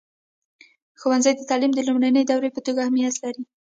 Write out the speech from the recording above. ښوونځی د تعلیم د لومړني دور په توګه اهمیت لري.